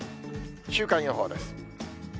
週間予報です。